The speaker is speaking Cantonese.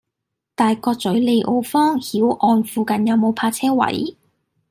大角嘴利奧坊·曉岸附近有無泊車位？